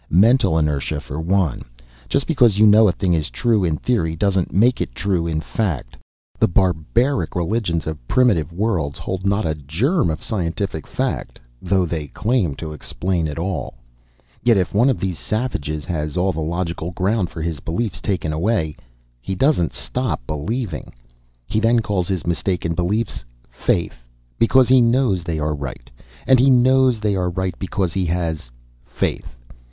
Mental inertia for one. Just because you know a thing is true in theory, doesn't make it true in fact. The barbaric religions of primitive worlds hold not a germ of scientific fact, though they claim to explain all. Yet if one of these savages has all the logical ground for his beliefs taken away he doesn't stop believing. He then calls his mistaken beliefs 'faith' because he knows they are right. And he knows they are right because he has faith.